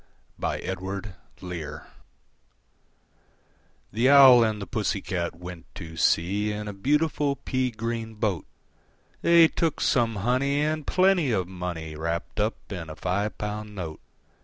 I. The Owl and the Pussy Cat went to sea In a beautiful pea green boat: They took some honey, and plenty of money Wrapped up in a five pound note.